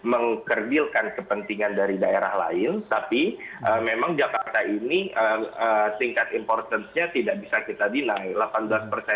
tidak mengkerbilkan kepentingan dari daerah lain tapi memang jakarta ini singkat importance nya tidak bisa kita deny